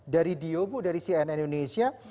dari dio bu dari cnn indonesia